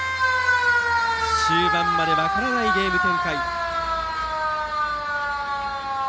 終盤まで分からないゲーム展開。